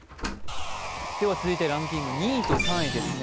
続いてランキング２位と３位ですね。